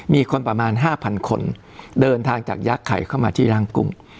มีคนประมาณ๕๐๐คนเดินทางจากยักษ์ไข่เข้ามาที่ร่างกลุ่ม